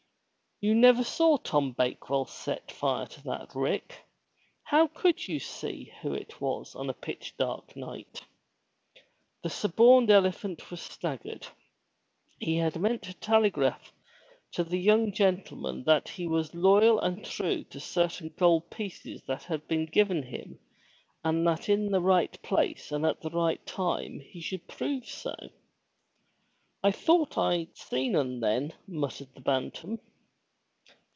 "You never saw Tom Bakewell set fire to that rick! How could you see who it was on a pitch dark night?" The suborned elephant was staggered. He had meant to telegraph to the young gentleman that he was loyal and true to certain gold pieces that had been given him and that in the right place and at the right time he should prove so. "A thowt I seen 'un then," muttered the Bantam.